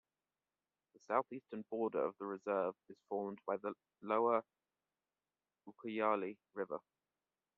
The southeastern border of the reserve is formed by the lower Ucayali River.